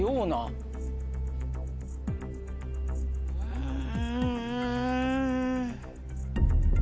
うん。